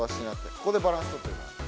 ここでバランスを取る。